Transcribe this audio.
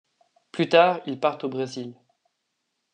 Plus tard, ils partent au Brésil.